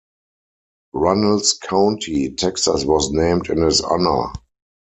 Runnels County, Texas was named in his honor.